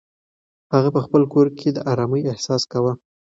هغه په خپل کور کې د ارامۍ احساس کاوه.